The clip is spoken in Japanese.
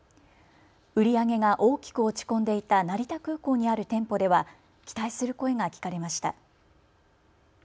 売り上げが大きく落ち込んでいた成田空港にある店舗では期待する声が聞かれました。